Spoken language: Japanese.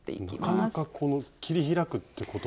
なかなかこの切り開くってことないですよね。